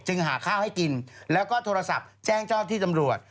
หาข้าวให้กินแล้วก็โทรศัพท์แจ้งเจ้าที่ตำรวจ